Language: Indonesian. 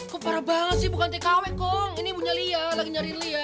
kok parah banget sih bukan tkw kong ini ibunya lia lagi nyari lia